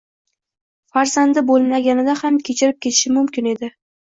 farzandi bo`lmaganida ham kechirib ketishim mumkin edim